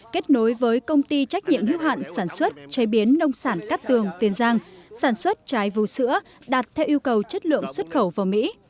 kết nối với công ty trách nhiệm hữu hạn sản xuất chế biến nông sản cát tường tiền giang sản xuất trái vũ sữa đạt theo yêu cầu chất lượng xuất khẩu vào mỹ